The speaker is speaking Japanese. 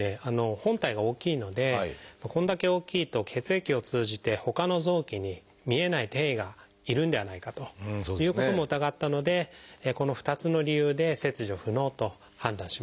本体が大きいのでこれだけ大きいと血液を通じてほかの臓器に見えない転移がいるんではないかということも疑ったのでこの２つの理由で切除不能と判断しました。